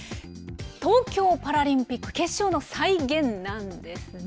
東京パラリンピック決勝の再現なんですね。